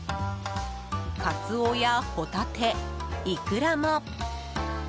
カツオやホタテ、イクラも。